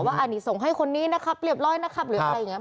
ว่าอันนี้ส่งให้คนนี้นะครับเรียบร้อยนะครับหรืออะไรอย่างนี้